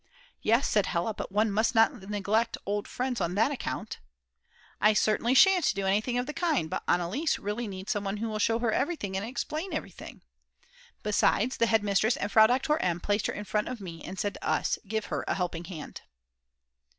"Yes," said Hella, "but one must not neglect old friends on that account." "I certainly shan't do anything of the kind; but Anneliese really needs some one who will show her everything and explain everything." Besides, the head mistress and Frau Doktor M. placed her in front of me and said to us: "Give her a helping hand."